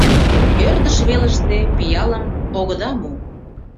Ӧрдыж велыште пиалым огыда му.